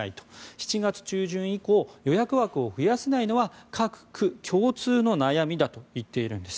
７月中旬以降予約枠を増やせないのは各区共通の悩みだと言っているんです。